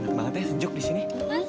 enak banget ya sejuk di sini